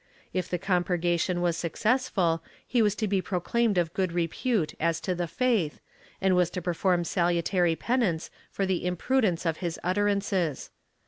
If the purgation was successful he was to be proclaimed of good repute as to the faith, and was to perform salutary penance for the imprudence of his utterances.